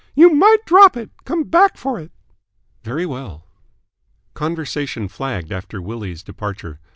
"You might drop it. Come back for it." "Very well." Conversation flagged after Willie's departure.